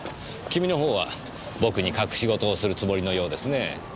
君のほうは僕に隠し事をするつもりのようですねえ。